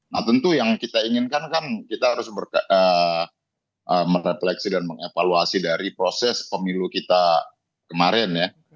nah tentu yang kita inginkan kan kita harus merefleksi dan mengevaluasi dari proses pemilu kita kemarin ya